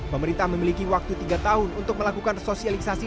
pemerintah memiliki waktu tiga tahun untuk melakukan sosialisasi